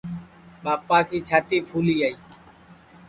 ٻاپا کی چھاتی پُھلیائی